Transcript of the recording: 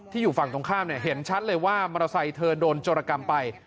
อยู่ฝั่งตรงข้ามเห็นชัดเลยว่ามอเตอร์ไซค์เธอโดนโจรกรรมไป